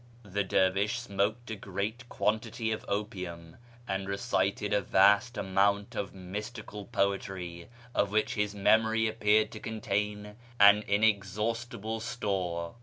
The dervish smoked a great quantity of opium and recited a vast amount of mystical poetry, of which his memory appeared to contain an inexhaustible store.